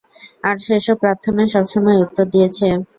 আর সেসব প্রার্থনা সবসময় উত্তর দিয়েছে।